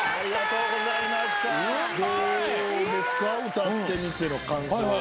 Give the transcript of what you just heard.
歌ってみての感想は。